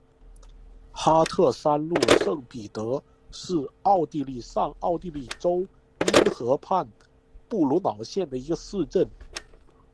哈特山麓圣彼得是奥地利上奥地利州因河畔布劳瑙县的一个市镇。